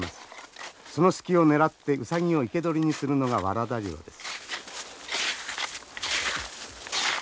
その隙を狙ってウサギを生け捕りにするのがワラダ猟です。